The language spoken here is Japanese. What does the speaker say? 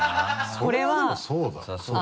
それはでもそうだ。